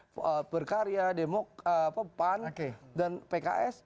percarya demok pan dan pks